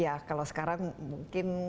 ya kalau sekarang mungkin